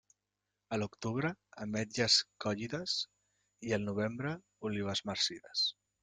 A l'octubre, ametlles collides, i al novembre, olives marcides.